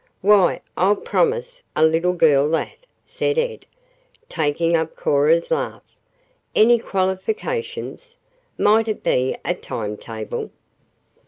"Why, I'll promise a 'little girl' that," said Ed, taking up Cora's laugh. "Any qualifications? Might it be a time table?"